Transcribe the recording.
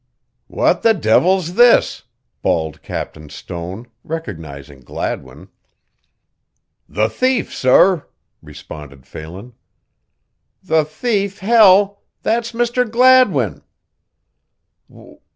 "What the devil's this," bawled Captain Stone, recognizing Gladwin. "The thief, sorr," responded Phelan. "The thief, hell! That's Mr. Gladwin!"